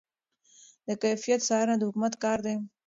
د کیفیت څارنه د حکومت کار دی.